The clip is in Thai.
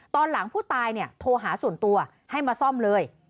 ตอนหลังผู้ตายโทรหาส่วนตัวให้มาซ่อมเลย